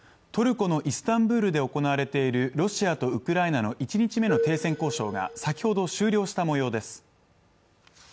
トルコのイスタンブールで行われているロシアとウクライナの１日目の停戦交渉が先ほど終了した模様です。